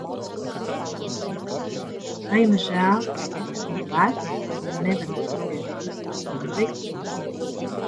Vai jums žēl, ka es esmu veca vai ka nevarat pagriezt klusāk mūziku?